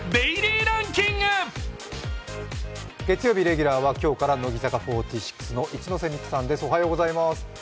月曜日レギュラーは今日から乃木坂４６の一ノ瀬美空さんです。